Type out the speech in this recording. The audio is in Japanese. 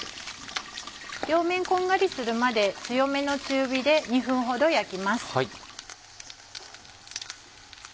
両面こんがりするまで強めの中火で２分ほど焼きます。